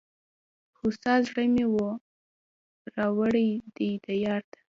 هوسا زړه مي وو را وړﺉ دې دیار ته